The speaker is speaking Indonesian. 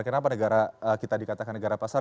kenapa negara kita dikatakan negara pasar